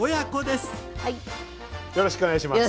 よろしくお願いします。